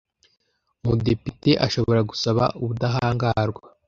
Umudepite ashobora gusaba ubudahangarwa